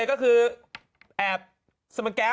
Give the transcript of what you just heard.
อ๋อโอเค